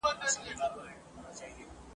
په خپل ژوند یې د ښار مخ نه وو لیدلی !.